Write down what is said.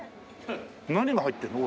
何が入ってるの？